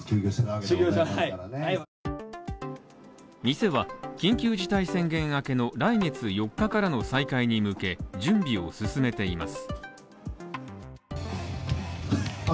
店は緊急事態宣言明けの来月４日からの再開に向け準備を進めています。